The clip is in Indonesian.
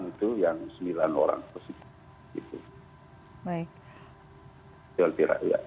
itu yang sembilan orang positif